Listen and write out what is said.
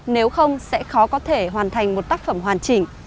nếu không sẽ khó có thể hoàn thành một tác phẩm hoàn chỉnh